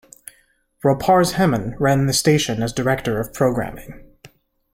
Roparz Hemon ran the station as Director of Programming.